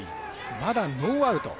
まだノーアウト。